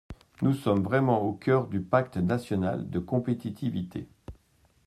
Nous sommes vraiment au cœur du pacte national de compétitivité.